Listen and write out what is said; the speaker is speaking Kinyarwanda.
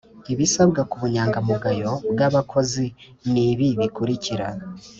Ibisabwa k ‘ubunyangamugayo bw’ abakozi ni ibi bikurikira